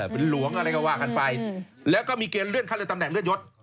เป็นหลวงอะไรก็ว่ากันไปแล้วก็มีเกณฑ์เลื่อนขั้นเรือตำแหนเลื่อนยศ